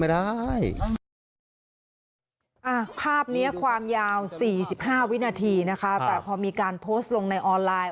ภาพนี้ความยาว๔๕วินาทีนะคะแต่พอมีการโพสต์ลงในออนไลน์